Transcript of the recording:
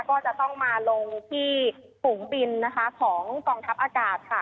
ก็จะต้องมาลงที่ฝูงบินนะคะของกองทัพอากาศค่ะ